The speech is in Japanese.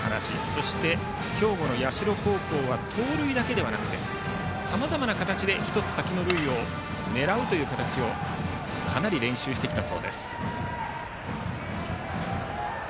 そして、兵庫の社高校は盗塁だけではなくてさまざまな形で１つ先の塁を狙う形をかなり練習してきたそうです。